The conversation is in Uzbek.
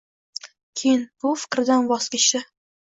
Keyin bu fikridan voz kechdi.